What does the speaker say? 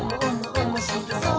おもしろそう！」